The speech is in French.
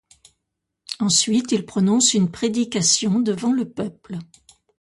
Ensuite, il prononce une prédication devant le peuple.